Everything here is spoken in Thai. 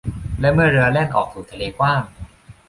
และเมื่อเรือแล่นออกสู่ทะเลกว้าง